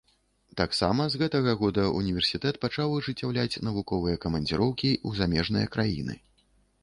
Таксама з гэтага года універсітэт пачаў ажыццяўляць навуковыя камандзіроўкі ў замежныя краіны.